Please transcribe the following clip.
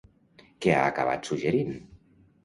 Què ha acabat suggerint?